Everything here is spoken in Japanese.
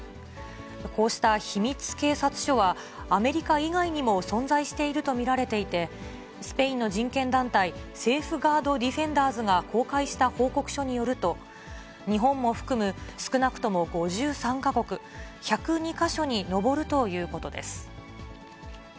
こうした秘密警察署は、アメリカ以外にも存在していると見られていて、スペインの人権団体、セーフガード・ディフェンダーズが公開した報告書によると、日本も含む少なくとも５３か国、１０２か所に上るということです。